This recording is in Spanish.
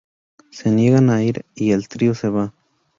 Se niegan a ir y el trío se va.